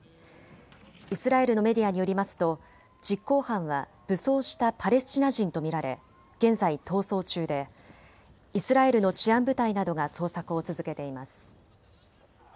イスラエルのメディアによりますと実行犯は武装したパレスチナ人と見られ現在、逃走中でイスラエルの治安部隊などが捜索を続けています。